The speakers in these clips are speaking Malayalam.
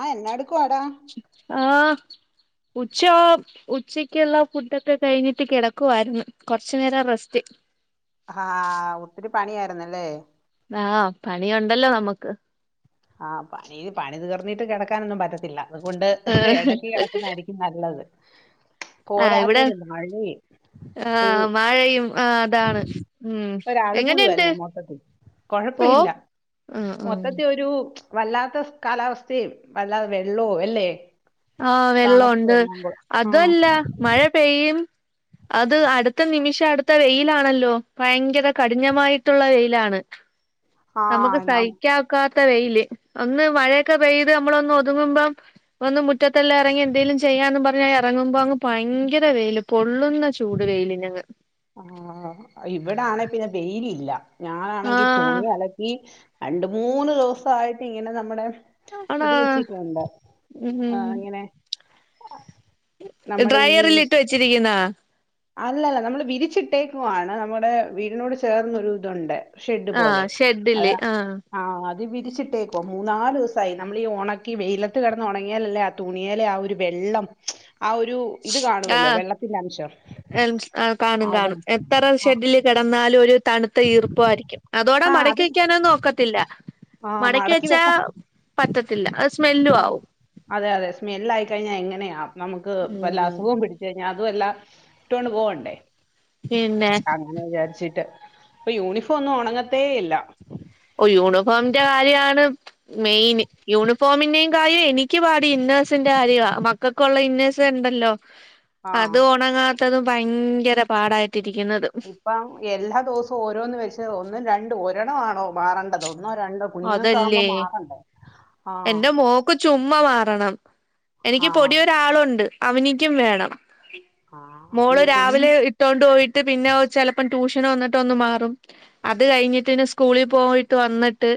ആഹ് എന്നാടെക്കുവാടാ ആഹ് ഉച്ചോ ഉച്ചക്ക്ള്ള ഫുഡൊക്കെ കഴിഞ്ഞിട്ട് കിടക്കുവായിരുന്നു കൊറച്ചു നേരം റസ്റ്റ് ആഹ് ഒത്തിരി പണിയായിരുന്നല്ലേ ആഹ് പണിയുണ്ടല്ലോ നമുക്ക് ആഹ് പണീ പണി തീർന്നിട്ട് കിടക്കാനൊന്നും പറ്റത്തില്ല അതുകൊണ്ട് ആഹ് എടക്ക്കെടക്ക്ന്നാ യിരിക്കും നല്ലത് ആഹ് ഇവിടെ പോരാത്തേന് മഴയും ഒരു ആഹ് മഴയും ആഹ് അതാണ് ഉം ഒരളുപുളും എങ്ങനെണ്ട് അല്ലേ മൊത്തത്തിൽ ഓഹ് കൊഴപ്പയില്ല ആഹ് ആഹ് വല്ലാത്തഫ് കാലാവസ്തീം വല്ലാതെ വെള്ളോ അല്ലേ ആഹ് തണുപ്പും വെള്ളവുണ്ട് എല്ലാം കൂടെ ഉം അതുമല്ല മഴ പെയ്യും അത് അടുത്ത നിമിഷം അടുത്ത വെയിലാണല്ലോ ഭയങ്കര കഠിനമായിട്ടുള്ള വെയിലാണ് നമുക്ക് ആഹ് നം സഹിക്കാൻ ഒക്കാത്ത തെ വെയില് ഒന്ന് മഴയൊക്കെ പെയ്ത് നമ്മളൊന്ന് ഒതുങ്ങുമ്പം ഒന്ന് മുറ്റ തെല്ലാ ഇറങ്ങി എന്തേലും ചെയ്യാന്നും പറ ഇറങ്ങുമ്പോ അങ്ങ് പയങ്കര വെയില് പൊള്ളുന്ന ചൂട് വെയിലനങ്ങ് ഇല്ല ഞാനാണെങ്കി ആഹ് തുണി അലക്കി രണ്ട് മൂന്ന് ദിവസായിട്ട് ഇങ്ങനെ നമ്മടെ ആണോ ഇത് വെച്ചീട്ടുണ്ട് ആഹ് അങ്ങനെ ഈ ഡ്രയറലിട്ട് വെച്ചിരിക്ക്ന്നാ അല്ലല്ല നമ്മള് വിരിച്ചിട്ടേക്കുവാണ് നമ്മുടേ വീടിനോട് ചേർന്നൊരു തുണ്ട് ആ ഷെഡ്ഢില് ആ അത് വിരിച്ചിട്ടേക്കുവ മൂന്നാല് ദിവസായി നമ്മളീ ഈ ഒണക്കി വെയിലത്ത് കെടന്ന് ഉണങ്ങിയാലല്ലേ ആ തുണിയേലെ ആ ഒരു വെള്ളം ആ ഒരു ഇത് കാണുവല്ലോ ആഹ് വെള്ളത്തിന്റെ അംശം [unintelligible] കാണും കാണും അതാണ് എത്ര ആ ഷെഡിൽ കെടന്നാ [unintelligible] ഒരു തണുത്ത ഈർപ്പ ആയിരിക്കും അതോടാ ആ അത് മടക്കി വെക്കാനോ നോക്കത്തില്ല ആ മടക്കി വെച്ചാ വെക്കാം പറ്റത്തില്ല അ ആ അതെ അതെ സ്മെല് ആയിക്കഴിഞ്ഞാൽ എങ്ങനെയാ നമുക്ക് വല്ല ഉം അസുഖം പിടിച്ചേ കഴിഞ്ഞാ അതും അല്ല ഇട്ടോണ്ട് പോവണ്ടേ പിന്നെ അങ്ങനെ വിചാരിച്ചിട്ട് ഇപ്പൊ യൂണിഫോം ഒന്നും ഉണങ്ങത്തേ ഇല്ല ഓ യൂണിഫോമിന്റെ കാര്യമാണ് മെയിൻ യൂണിഫോമിന്റെയും കാര്യം എനിക്ക് പാട് ഇന്നേഴ്സിന്റെ കാര്യം മക്കൾക്കുള്ള ഇന്നേഴ്സ് ഉണ്ടല്ലോ ആ അത് ഒണങ്ങാ [unintelligible] ഭയങ്കര പാടായി ഇപ്പം എല്ലാ ദിവസവും ഓരോന്ന് വെച്ച് ഒന്നും രണ്ടും ഒ [unintelligible] മാറേണ്ടതോ അതല്ലേ ആ എന്റെ മോക്ക് ചുമ്മാ വ [unintelligible] എനിക്ക് ആ പൊടി ഒരാളുണ്ട് അവനിക്കും വേണം ആ ഈ മോള് കുഞ്ഞ് രാവിലെ ഇട്ടോണ്ട് പോയിട്ട് പിന്ന ചെലപ്പം ട്യൂഷ് [unintelligible] വന്നിട്ട് ഒന്ന് മാറും അത് കഴിഞ്ഞിട്ടിന് സ്കൂളിൽ പോയിട്ട് വന്നിട്ട്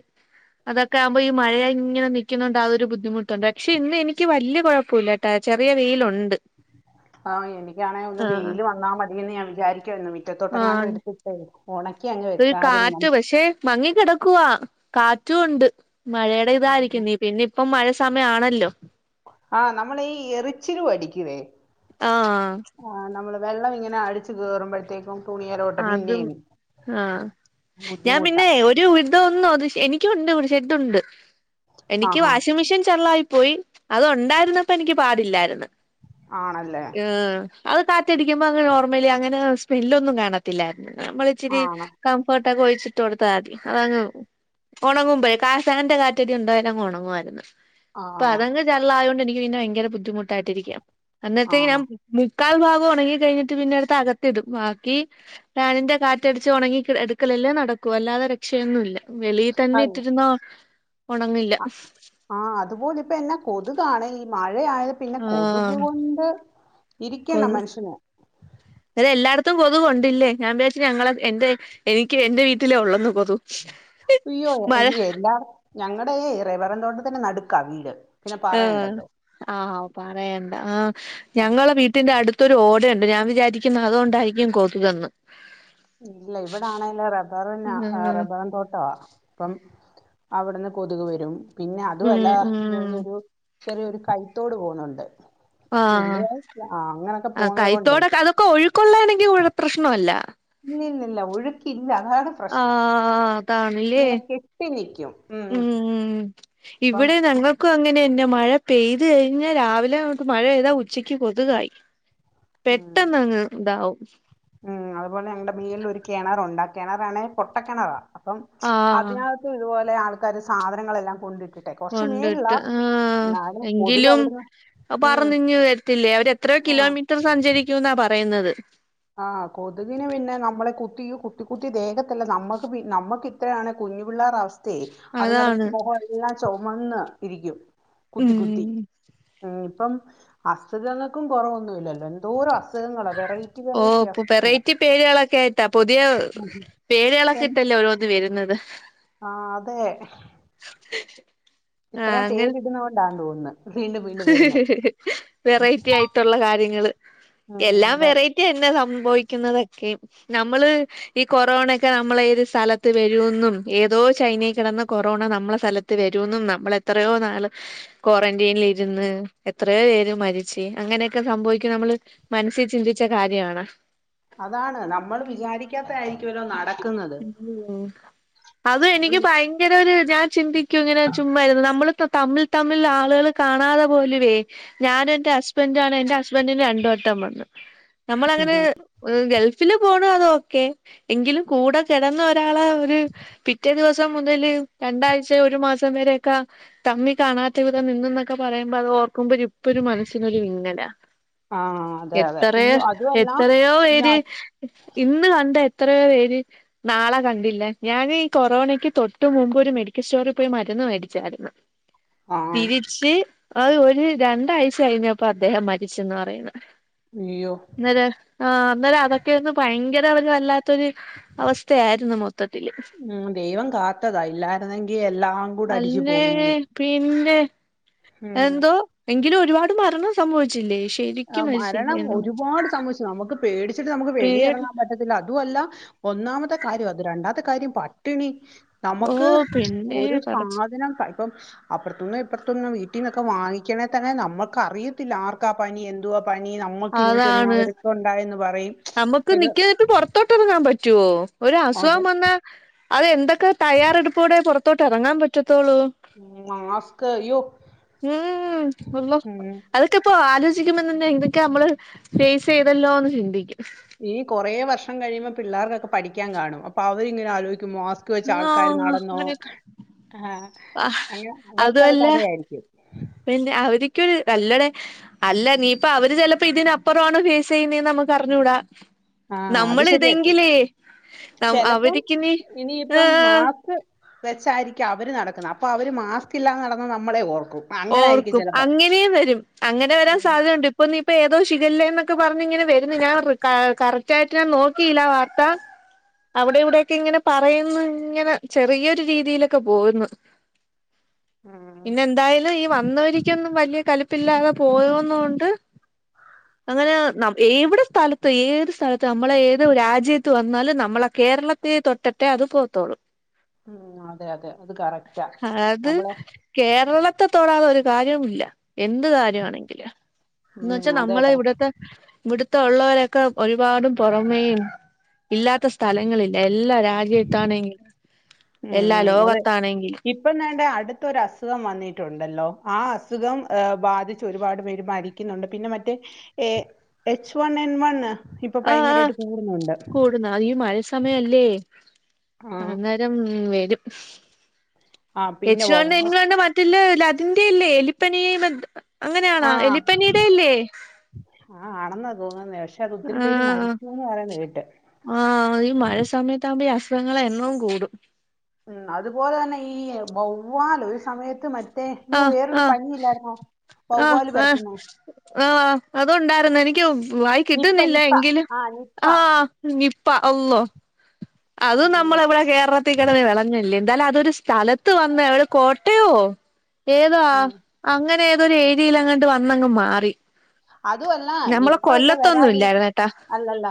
അതൊക്കെ ആകുമ്പോ ഈ മഴ ഇങ്ങനെ നിൽക്കുന്നുണ്ട് അതൊരു ബുദ്ധിമുട്ടുണ്ട് പക്ഷെ ഇന്ന് എനിക്ക് വലിയ കുഴപ്പൊല്ലാട്ടാ ചെറിയ വെയിലുണ്ട് ആഹ് എനിക്കാണെ ഒന്ന് വെയില് വന്നാ മതിയന്ന് ഞാൻ വി വിചാരിക്കുന്നു റ്റ ഒന്നും മുറ്റത്തോട്ടങ്ങാനും ആഹ് എട്ത്തിട്ടേ ഒണക്കി അങ്ങ് ഒരു വെക്കാരുന്നു കാറ്റ് പക്ഷെ മങ്ങി കിടക്കുവാ കാറ്റും ഉണ്ട് മഴെടെ ഇതായിരിക്കും നീ പിന്നി ഇപ്പം മഴ സമയം ആണല്ലോ ആഹ് നമ്മള് ഈ എറിച്ചില് വടിക്കുവേ ആഹ് ആ നമ്മള് വെള്ളം ഇങ്ങനെ അടിച്ച് കേറുമ്പോഴത്തേക്കും അതും ആ ഞാൻ ബുദ്ധിമുട്ടാ പിന്നെ ഒരു ത് ഒന്നോ അത് എനിക്കും ഉണ്ട് [unintelligible] ഇതു ഉണ്ട് എനിക്ക് ആഹാ വാഷിംഗ് മെഷീൻ ചെള്ളായി പോയി അത് ഒണ്ടാര്ന്നപ്പ എനിക്ക് പാടില്ലാര്ന്ന് ആണല്ലേ അത് കാറ്റടിക്കുമ്പ അങ്ങ് നോർമലി അങ്ങനെ സ്മെല്ലൊന്നും കാണത് ത്തിലാ നമ്മളിച്ചിരി ആണ് കംഫർട് തക ഒഴിച്ചിട്ട് കൊടുത്താമതി അതങ്ങ് ഒണങ്ങുമ്പയെ കാസന്റെ കാറ്റടി ഉണ്ടായല ങ്ങ് ഒണങ്ങുവാര്ന്ന് ആ ഇപ്പ അതങങ്ങ് ചള്ളായോണ്ടെനി ഇവിന്ന ഭയങ്കര ബുദ്ധിമുട്ടായിട്ടിരിക്കാ ആ അന്നത്തേക്ക് നാ [unintelligible] ക്കാൽ ഭാഗോണങ്ങി കഴിഞ്ഞിട്ട് പിന്നെ എടുത്ത് അകത്തിടും ബാക്കി ഫാനിന്റെ കാറ്റടിച്ച് ഉണങ്ങി കിട എടുക്കലല്ലേ നടക്കൂ അല്ലാതെ രക്ഷയൊന്നുഇല്ല വെളി ആ തന്നെ ഇട്ടിരുന്നാ ഒണങ്ങില്ല ആഹ് ആ അതുപോലെ ഇപ്പെന്ന കൊതുകാണെ ഈ മഴ ഴയായെ പിന്നെ കൊതുക് ആഹ് കൊണ്ട് ഇരിക്കേണ മനുഷ്യന് ന്നേരം എല്ലാട്ത്തും കൊതു കൊണ്ടില്ലേ ഞാൻ വിചാരിച്ച് ഞങ്ങള എൻറെ എനിക്ക് എൻറെ വീട്ടിലെ ഒള്ളന്ന് കൊതു അയ്യോ മഴ അയോ എല്ലാട് ഞങ്ങടെ റവറും തോട്ടത്തിന്റെ നടുക്കാ വീട് പിന്നെ ആഹ് പറയണ്ടല്ലോ ആമ് പറയണ്ട ആഹ് ആഹ് ഞങ്ങളെ വീട്ടിന്റെ അടുത്തൊരു ഓടെൺ ഞാൻ വിചാരിക്കുന്ന അതുകൊണ്ടാരിക്കും കൊതുകെന്ന് ഇല്ല ഇവിടാണെല് റബ്ബറിന ആഹ് റബ്ബറും തോട്ടവാ അപ്പം അവിടുന്ന് കൊതുക് വരും പിന്നെ ഉം അതുവല്ല ഉം ഇത് വഴിയൊരു ചെറിയൊരു കൈത്തോട് പോന്നുണ്ട് ആഹ് വല്യതായി ആ അങ്ങനൊക്കെ പോണത് കൊണ്ടേ കൊള്ളണെങ്കി ഇവിട പ്രശ്നവല്ല നിന്നില്ല ഒഴുക്കിൽ ആഹ് അതാണല്ലേ ഇങ്ങനെ കെട്ടി നിക്കും ഉം അപ്പം ഇവിടെ ഞങ്ങക്കും അങ്ങനെതന്നെ മഴ പെയ്തു കഴിഞ്ഞാൽ രാവിലെ അങ്ങോട്ട് മഴ പെയ്താ ഉച്ചക്ക് കൊതുകായി ഉം പെട്ടെന്ന് അങ്ങ് ഇതാവും [unintelligible] ഉം അതുപോലെ ഞങ്ങളടെ വീട്ടിൽ ഒരു കിണറുണ്ട് ആ കിണറാണെ പൊട്ടക്കിണറാ അപ്പം ആഹ് അതിനകത്തും ഇതുപോലെ ആൾ ആൾക്കാര് സാധനങ്ങളെല്ലാം കൊണ്ട് കൊണ്ടിട്ട് ആ കൊതുക് എങ്കിലും അവിടുന്ന് ഉം പറന്നിങ്ങു വരത്തില്ലേ അവര് എത്രയോ ആ കിലോമീറ്റർ സഞ്ചരിക്കൂന്നാ പറ പറയുന്നത് ആ കൊതുകിന് പിന്നെ നമ്മളെ കുത്തി കുത്തി കുത്തി ദേഹത്തെല്ലാം നമ്മുക്ക് നമ്മുക്ക് ഇത്രയാണെ കുഞ്ഞു പിള്ളാരെ അവസ്ഥ അതുങ്ങളടെ അതാണ് മുഖം എല്ലാം ചുവന്ന് ഇരിക്കും കുത്തി ഉം കുത്തി ഇപ്പം അസുഖങ്ങൾക്കും കുറവൊന്നുവില്ലല്ലോ എന്തോരോ അസുഖങ്ങളാണ് വെറ ഓ ഇപ്പൊ വെറൈറ്റി പേരുകളൊക്കെ ആയിട്ടാ പുതിയ ഉം. പേരുകളൊക്കെ എൻ- ഇട്ടല്ലേ ഓരോന്ന് വരുന്നത് ആ അതെ ആ ഇത്രയും അങ്ങനെ പേര് ഇടുന്ന കൊണ്ടാന്ന് തോന്ന് എന്ന വെറൈറ്റി ആയിട്ടുള്ള കാര്യങ്ങ ങ്ങള് ഉം എല്ലാം അതെ വെറൈറ്റി തന്നെ സം സംഭവിക്കുന്നതൊക്കെ നമ്മള് ഈ കൊറോണൊക്കെ നമ്മള ത് സ്ഥലത്ത് വരൂന്നും ഏതോ ചൈനൽ കിടന്ന കൊറോണ നമ്മള സ്ഥലത്ത് വരൂന്നും നമ്മൾ എത്രയോ നാള് ക്വാറന്റൈനിൽ ഇ മരുന്ന് എത്രയോ പേര് മരിച്ച് അങ്ങനെയൊക്കെ സംഭവിക്കുന്ന് നമ്മള് മനസ്സിൽ ചിന്തിച്ച കാര്യാമാണാ അതാണ് നമ്മൾ വിചാരിക്കാത്ത ആയിരിക്കുവല്ലോ നട ഉം അത് നമ്മൾ എനിക്ക് വി ഭയങ്കര ഒരു ഞാൻ ചിന്തിക്കും ഇങ്ങനെ ചുമ്മാരുന്നു നമ്മൾ തമ്മിൽ തമ്മിൽ ആളുകളെ കാണാതെ പോലുവേ ഞാൻ എന്റെ ഹസ്ബൻഡും ആണ് എന്റെ ഹസ്ബൻ്റിന് രണ്ട് വട്ടം വന്ന് നമ്മളങ്ങനെ ഗൾഫ് പോണ അത് ഓക്കെ എങ്കിലും കൂട കിടന്ന ഒരാള ഒരു പിറ്റേ ദിവസം മുതല് രണ്ടാഴ്ച ഒരു മാസം വരെയൊക്കെ തമ്മി കാണാത്ത വിധം നിന്നന്നൊക്കെ പറയുമ്പോ അത് ഓ ക്കുപോ ഇപ്പൊ ഒരു മനസ്സിനൊരു വിങ്ങല ആ അതെ അതെ എത്രയോ അയ്യോ അതുമല്ല എത്രയോ ഈ പേര് ആ ഇന്ന് കണ്ട എത്രയോ പേര് നാളെ കണ്ടില്ല ഞാൻ ഈ കൊറോണക്ക് തൊട്ടു മുൻപ് ഒരു മെഡിക്കൽ സ്റ്റോറിൽ പോയി മരുന്ന് മേടിച്ചായിരുന്നു ആ തിരിച്ച് അ ഒരു രണ്ടാഴ്ച കഴിഞ്ഞപ്പ അദ്ദേഹം മരിച്ചെന്ന് പറയുന്നു അയ്യോ അന്നേരം ആ അന്നേരം അതൊക്കെന്ന് ഭയങ്കര ന്താ അവൻ വല്ലാത്തൊര് ഉം ദെവം കാത്തതാ ഇല്ലായിര്ന്നെങ്കി എല്ലാം കൂടെ അടിച്ച് അല്ലേ പോകെയ്നി പിന്നെ എന്തോ എങ്കിലു ഒരുപാട് മരണം സംഭവിച്ചില്ലെ ആ മരണം ഒരുപാട് സംഭവിച്ചു നമുക്ക് പേടി ച്ച്ട്ട് നമുക്ക് വെളി പേടി എറങ്ങാൻ പറ്റത്തില്ല അതുവല്ല ഒന്നാമത്തെ കാര്യം അത് രണ്ടാമത്തെ കാര്യം പട്ടിണി ഓ നമുക്ക് പിന്നെ ഒരു പടച്ചോ സാധനം കഴി ഇപ്പം അപ്പർത്ത്ന്നും ഇപ്പർത്ത്ന്നും വീട്ടിന്നൊക്കെ വാങ്ങിക്കണെ തന്നെ നമ്മക്ക് അറിയത്തില്ല ആർക്കാ പനി എന്തുവാ പനി നമുക്കിനി ചെന്ന അതാണ് അവര്ക്കും ഉണ്ടായെന്ന് പറയും നമുക്ക് ഇത് നിക്ക പ്പ പൊർത്തോട്ടൊ ങ്ങാ പറ്റോ? ഒരു അസുഖം അത് വന്നാ അത് എന്തൊക്കെ തയ്യാറെടുപ്പൂടെ പൊർ ത്തോട്ടെറങ്ങാം പറ്റും. ത്തോളു മാസ്ക് അയ്യോ ഉം അള്ള ഉം. അതൊക്കെ ഇപ്പ ആലോച [unintelligible] ഇതൊക്കെ നമ്മള് ഫേസെയ്തല്ലോ ന്ന് ചിന്തിക്കും. ഈ കൊറെേ വർഷം കഴിയുമ്പോ പിള്ളേർക്കൊക്കെ പഠിക്കാൻ കാണും. അപ്പ അവരിങ്ങനെ ആലോചി മാസ്ക് വെച്ച് ആൾക്കാർ ആഹ് നടന്നോ അങ്ങനെയൊക്കെ ആ ആഹ് അന അവർക്കത് അതുമല്ല കഥയായിരിക്കും. പിന്നെ അവര്ക്കൊരു നല്ലടെ അല്ല നീ ഇപ്പൊ അവര് ചെലപ്പോ ഇതിനപ്പുറാണോ ഫേസെയ്യുന്നേന്ന് നമുക്ക് അറിഞ്ഞൂടാ. ആ അത് ശരിയാ നമ്മളിതെങ്കിലേ നം ചെലപ്പം അവരിക്ക് നി ഏ ഇനിയിപ്പം മാസ്ക് വെച്ചായിരിക്കും അവര് നടക്ക്ന്നെ. അപ്പൊ അവര് മാസ്ക് ഇല്ലാതെ നടന്ന നമ്മളെ ഓർ ഓർക്കും അങ്ങനെയും വരും. അങ്ങനെ വരാൻ സാധ്യതണ്ട്. ഇപ്പൊ നീ ഇപ്പൊ ഏതോ ഷിഖല്ലേന്നൊക്കെ പറഞ്ഞ് ഇങ്ങനെ വര്ന്ന്. ഞാൻ കറക്റ്റ് ആയിട്ട് ഞാൻ നോക്കിയില്ല വാർത്ത. അവിടെ ഇവിടെക്കെ ഇങ്ങനെ പറയുന്നു ഇങ്ങനെ ചെറിയൊരു രീതിയിലൊക്കെ പോകുന്നു. ഉം പിന്നെ എന്തായാലും ഈ വന്നവരിക്കൊന്നും വലിയ കലിപ്പില്ലാതെ പോയോന്നൊണ്ട് അങ്ങനെ ന ഏവിടെ സ്ഥല ഏത് സ്ഥലത്ത് നമ്മളെ ഏത് രാജ്യത്ത് വന്നാലും നമ്മളെ കേരളത്തെ തൊട്ടട്ടെ അത് പോത്തോള് ഉം അതെ അതെ അത് കറക്റ്റാ നമ്മളെ ത്തെത്തോടാതെ ഒരു കാര്യവും ഇല്ല എന്ത് കാര്യമാണെങ്കിലും എന്ന് ഉം വെച്ചാ അതെ നമ്മളെ പ- ഇവിടത്തെ ഇവിട് തോള്ളോരൊക്കെ ഒരുപാട് പുറമേയും ഇല്ലാത്ത സ്ഥലങ്ങളില്ലാ എ ല്ലാ രാജി വെക്കാനെങ്കി ഉം അതെ ഇപ്പം ദാണ്ടെ അടുത്തൊരു അസുഖം വന്നിട്ടു ണ്ടല്ലോ ആ അസുഖം ബാധിച്ച് ഒരുപാട് പേര് മരിക്കുന്നുണ്ട് പിന്നെ മറ്റേ A H one N one ഇപ്പൊ ആ ആ ഭയങ്കരമായിട്ട് കൂടുന്നുണ്ട് കൂടുന്ന അയ്യോമഴസമയല്ലേ ആ അന്നേരം വരും ആ [inaudible] പിന്നെ യെച്ച് വണ്ണ് വ- എൻവണ്ണ് മറ്റ്ല്ലെ ഇല്ല അതിന്റെയല്ലേ എലിപ്പനി ബ അങ്ങനെയാണാ ആ എലിപ്പനീടെ അല്ലേ ആഹ് [unintelligible] ആ പേര് മരിച്ചൂന്ന് പറയുന്ന കേട്ട് ആ ഈ മഴ സമയത്താകുമ്പോ ഈ അസ് ഖങ്ങളെ എണ്ണവുംകൂടും ഉം അതുപോലെ തന്നെ ഈ വവ്വാൽ ഒരു സമയത്ത് മ ആ ആ ആആ വവ്വാല് പരത്തുന്നേ ആ അതുണ്ടാ ന്നെനിക്കും വായി നിപ്പ കിട്ടുന്നില്ല നിപ്പ എങ്കിലും ആഹ് നിപ്പ ആ ഗി പ്പ അള്ളോ അതും നമ്മള അയ്യോ ഇവിടെ കേരളത്തി കെടന്ന്‌ വെളഞ്ഞല്ലെ എന്നാലതൊരു സ്ഥലത്ത് വന്ന് അവിടെ കോട്ടയോ ഏതാ ഉം അങ്ങനെ ഏ ത് ഒര് ഏരിയയിലങ്ങട്ട് വന്നങ്ങ് മാറി അതും അല്ല ഞമ്മളെ നിപ്പയൊക്കെ കൊല്ലത്തൊന്നും വരാതിരിക്ക ഇല്ലായിരുന്നേട്ടാ അല്ലല്ല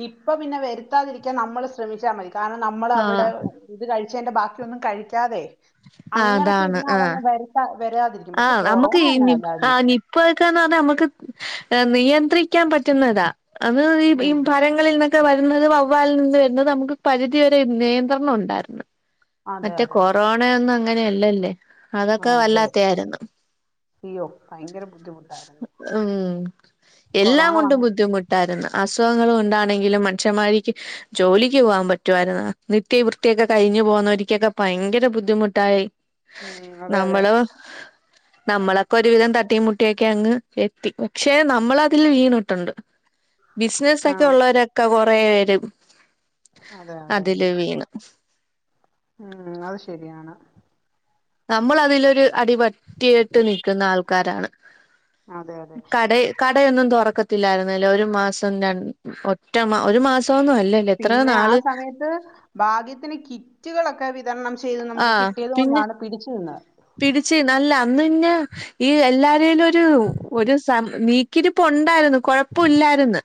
നിപ്പ പിന്നെ വരുത്താതിരിക്ക നമ്മള് ശ്രമിച്ചാ മരി കാരണം നമ്മൾ ആഹ് അവിടെ ഇത് കഴി ന്റെ ബാക്കിയൊന്നും കഴിക്കാതെ അങ്ങനൊക്കെ ഇരുന്ന് അതങ്ങ് വരുതാ ആ നമ്മുക്ക് ഈ ആ് നിപ്പ വക്കാന്ന് പറഞ്ഞാ നമ്മുക്ക് നിയന്ത്രിക്കാൻ പറ്റുന്നതാ അത് ഈ ഈ ഉം പരങ്ങളിൽന്നൊക്കെ വരുന്നത് വവ്വാലിൽ നിന്നന്ന് വരുന്നത് നമുക്ക് പരിധി ഒരു നിയന്ത്രണം ഉണ്ടായിരുന്നു അതെ മറ്റേ അതെ കൊറോണയെന്ന അങ്ങനെയ അല്ലല്ലേ അതൊക്കെ ആഹ് അതെ വല്ലാത്തെയായിരുന്നു അയ്യോ ഭയങ്കര ബുദ്ധിമുട്ടായിരുന്നു ഉം എല്ലാം കൊറോണ കൊണ്ടും വന്ന ബുദ്ധിമുട്ടായിരുന്നു അസുഖങ്ങളും ഉണ്ടാണെങ്കിലും മനുഷന്മാരിക്ക് ജോലിക്ക് പോകൻ പറ്റോമായിരുന്നു, നിത്യവൃത്തിയൊക്കെ കഴിഞ്ഞു പോന്നവന് ഇക് ഓകെഭയങ്കര ബുദ്ധിമുട്ടായി ഉം അതെ അതെ നമ്മള് നമ്മളൊക്കെ ഒരുവിധം ത തട്ടി മുട്ടിയൊക്കെ അങ്ങ് എത്തി, പക്ഷെ നമ്മള്അതില് വീണിട്ടുണ്ട്. ബിസിനസ് ഒക്കെ ആഹ് ഉള്ളവരൊക്കെ [unintelligible] അതെ അതെ അതെ അതില് വീണു ഉം അത് ശരിയാണ് നമ്മൾ അതിലൊരു അടിപറ്റിയിട്ട് നിൽക്കുന്ന ആൾക്കാരാണ്, അതെ അതെ കടയെ ക കടയൊന്നും തുറക്കത്തില്ലാരുന്നല്ലോ, ഒരു മാസം ര ഒറ്റ മാ ഒരു മാസം. പിന്നെ ആ സമയത്ത് ഭാഗ്യത്തിന് കിറ്റുകളൊക്കെ വിതരണം ചെയ്ത് നമുക്ക് ആഹ് കിട്ടിയത് പിന്നെ കൊണ്ടാണ് പിടിച്ചു നിന്നത്. പിടിച്ച് നല്ല അന്ന് പിന്നെ ഈ എല്ലാരേലും ഒരു ഒരു സ നീക്കിരിപ്പ് ഉണ്ടായിരുന്നു. കൊഴപ്പഇല്ലായിരുന്ന്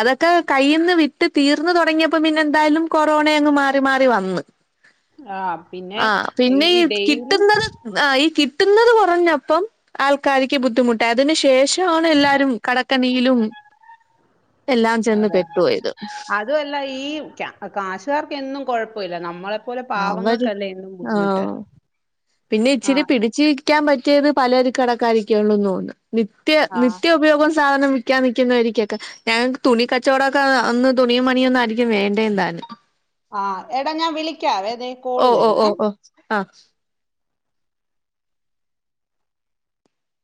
അതൊക്കെ കയ്യിൽ നിന്ന് വിട്ട് തീർന്ന് തുടങ്ങിയപ്പോ പിന്നെ എന്തായാലും കൊറോണങ്ങ് മാറി മാറി വന്ന്. ആഹ് പിന്നെ ഈ ഡെയിലി ങഅ ഈ കിട്ടുന്നത് കുറഞ്ഞപ്പം ആൾക്കാരിക്ക് ബുദ്ധിമുട്ട്, അതിനു ശേഷം [unintelligible] എല്ലാം ചെന്ന് അതെ പെട്ടുപോയത് അതുമല്ല ഈ ക കാഷുകാർക്ക്എന്നും കൊഴപ്പമില്ല നമ്മളെ പോലെ അവര് പാവങ്ങൾക്കല്ലേ എന്നും ബുദ്ധിമുട്ട് ആഹ് പിന്നെ ഇച്ചിരി പിടിച്ച് നിൽക്കാൻ പറ്റിയത് പലരിക്ക് കടക്കാരിക്ക ഉള്ളത് കൊണ്ട്. നിത്യ ആഹ് നിത്യ ഉപയോഗം സാധനം വിൽക്കാൻ നിൽക്കുന്നോരിക്കൊക്കെ, ഞങ്ങക്ക് തുണി കച്ചവടമൊക്കെ അന്ന് തുണിയും മണിയൊന്നും ആരിക്കും വേണ്ടേ താനും. ആഹ് എടാ ഞാൻ വിളിക്കാവേ ദേ ഓ കോള് ഓ വരുന്നേ ഓ ഓ ങഅ